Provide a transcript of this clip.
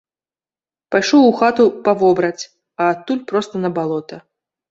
Пайшоў у хату па вобраць, а адтуль проста на балота.